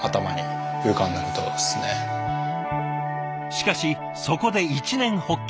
しかしそこで一念発起。